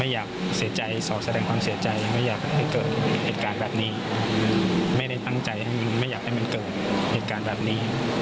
ไม่ได้ตั้งใจไม่อยากให้มันเกิดเหตุการณ์แบบนี้